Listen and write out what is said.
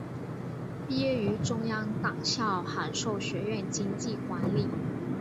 毕业于中央党校函授学院经济管理。